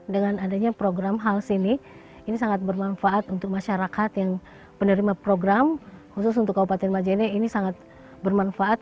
dengan adanya program hals ini ini sangat bermanfaat untuk masyarakat yang penerima program khusus untuk kabupaten majene ini sangat bermanfaat